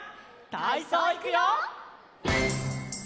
たいそういくよ！